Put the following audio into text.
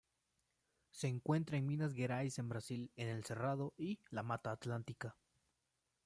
Se encuentra en Minas Gerais en Brasil en el Cerrado y la Mata Atlántica.